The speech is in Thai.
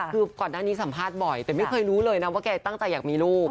คือก่อนหน้านี้สัมภาษณ์บ่อยแต่ไม่เคยรู้เลยนะว่าแกตั้งใจอยากมีลูก